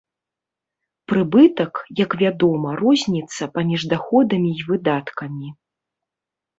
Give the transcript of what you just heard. Прыбытак, як вядома, розніца паміж даходамі і выдаткамі.